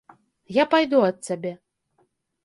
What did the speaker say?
Я пайду ад цябе.